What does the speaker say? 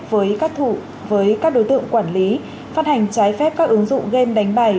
với các thủ với các đối tượng quản lý phát hành trái phép các ứng dụng game đánh bài